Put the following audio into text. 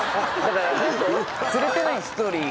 釣れてないストーリー